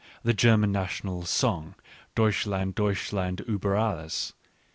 % The German National Song {Deutschland^ Deutschland iiber alks).